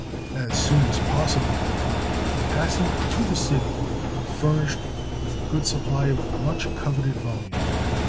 As soon as possible, therefore, he hastened to that city, furnished with a good supply of the much coveted volume.